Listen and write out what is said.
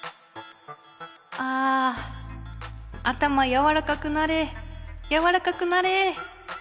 あ頭やわらかくなれやわらかくなれ。